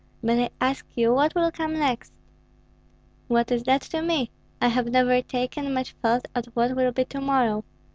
But I ask you what will come next?" "What is that to me? I have never taken much thought of what will be to morrow.